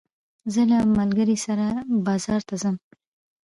زه له ملګري سره بازار ته ځم.